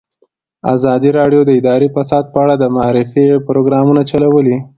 ازادي راډیو د اداري فساد په اړه د معارفې پروګرامونه چلولي.